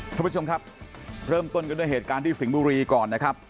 ท่านผู้ชมครับเริ่มต้นกันด้วยเหตุการณ์ที่สิงห์บุรีก่อนนะครับ